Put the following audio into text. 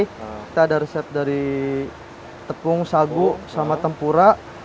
kita ada resep dari tepung sagu sama tempura